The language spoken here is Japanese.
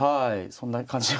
そんな感じも。